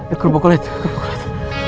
eh kerupuk kulit kerupuk kulit